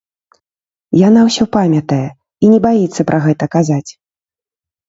Яна ўсё памятае і не баіцца пра гэта казаць.